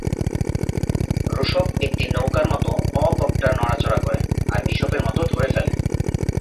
রোশপ একটা নৌকার মতো অ-কপ্টার নড়াচড়া করে, আর বিশপের মতো ধরে ফেলে।